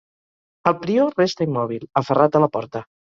El prior resta immòbil, aferrat a la porta.